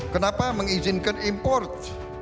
kenapa mengizinkan import